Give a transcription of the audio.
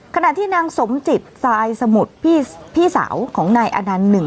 ขณะที่นางสมจิตทรายสมุทรพี่สาวของนายอนันต์หนึ่ง